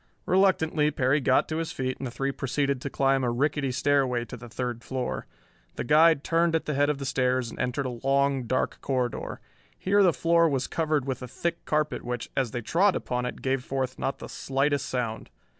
Reluctantly Perry got to his feet and the three proceeded to climb a rickety stairway to the third floor. The guide turned at the head of the stairs and entered a long dark corridor. Here the floor was covered with a thick carpet which, as they trod upon it, gave forth not the slightest sound.